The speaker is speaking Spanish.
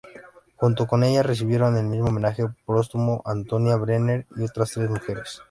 Junto con ella recibieron el mismo homenaje póstumo Antonia Brenner y otras tres mujeres.